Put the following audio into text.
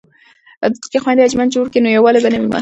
که خویندې انجمن جوړ کړي نو یووالی به نه وي مات.